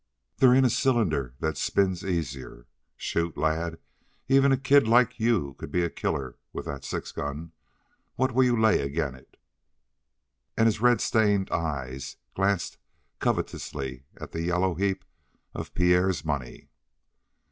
There ain't a cylinder that spins easier. Shoot? Lad, even a kid like you could be a killer with that six gun. What will you lay ag'in' it?" And his red stained eyes glanced covetously at the yellow heap of Pierre's money.